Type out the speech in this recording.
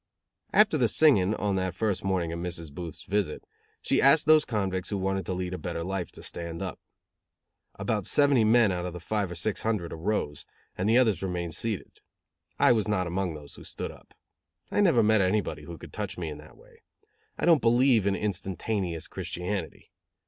After the singing, on that first morning of Mrs. Booth's visit, she asked those convicts who wanted to lead a better life to stand up. About seventy men out of the five or six hundred arose, and the others remained seated. I was not among those who stood up. I never met anybody who could touch me in that way. I don't believe in instantaneous Christianity.